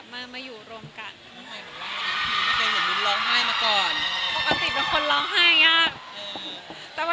มีความสุขมากค่ะ